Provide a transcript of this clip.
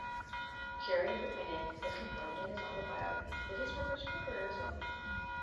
Jari Litmanen has confirmed in his autobiography that his professional career is over.